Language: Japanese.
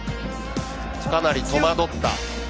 かなり戸惑った。